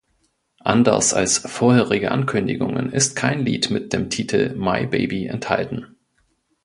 Anders als vorige Ankündigungen ist kein Lied mit dem Titel "My Baby" enthalten.